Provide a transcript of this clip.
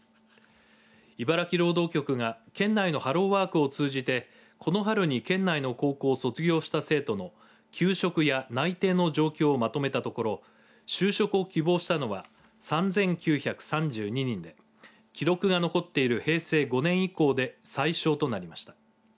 茨城労働局が県内のハローワークを通じてこの春に県内の高校を卒業した生徒の求職や内定の状況をまとめたところ就職を希望したのは３９３２人で記録が残っている平成５年以降で最少となりました。